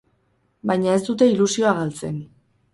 Baina ez dute ilusioa galtzen.